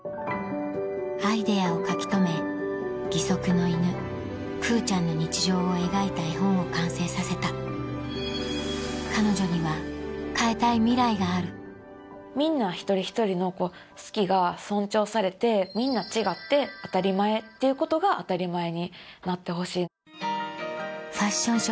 アイデアを書き留め義足の犬くうちゃんの日常を描いた絵本を完成させた彼女には変えたいミライがあるみんな一人一人の好きが尊重されてみんな違って当たり前っていうことが当たり前になってほしい。